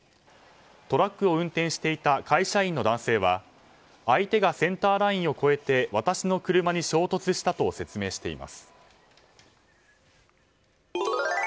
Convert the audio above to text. トラックを運転していた会社員の男性は相手がセンターラインを越えて私の車に衝突したと説明しています。